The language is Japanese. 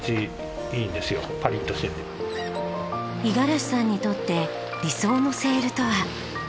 五十嵐さんにとって理想のセールとは？